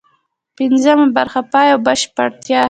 پنځمه برخه: پای او بشپړتیا